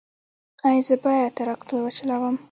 ایا زه باید تراکتور وچلوم؟